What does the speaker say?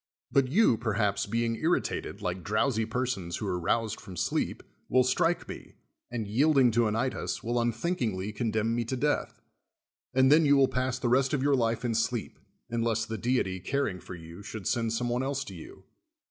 But 3'ou, perhaps, being irritated, like drowsy persons who are roused from sleep, will strike me, and, yielding to Anytus, will unthinkingly condemn me to death; and then you Avill pass the rest of your life in sleep, unless the deity, caring for you, should send some one else to you.